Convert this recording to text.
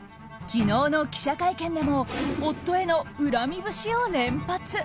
昨日の記者会見でも夫への恨み節を連発。